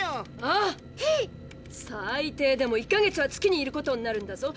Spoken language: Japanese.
あぁ⁉最低でも１か月は月にいることになるんだぞ。